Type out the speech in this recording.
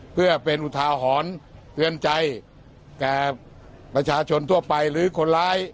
เพื่อเป็นอุทาหรณ์เตือนใจแก่ประชาชนทั่วไปหรือคนร้าย